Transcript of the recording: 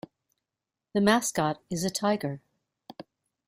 The mascot is a Tiger.